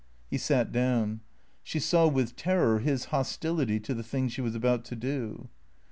He sat down. She saw with terror his hostility to the thing she was about to do.